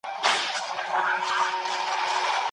که ړوند ښوونکي په ګڼ ځای کي اوږده کیسه وکړي، ټول به یې واوري.